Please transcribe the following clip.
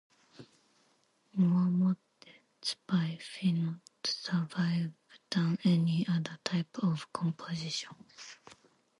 More motets by Phinot survive than any other type of composition.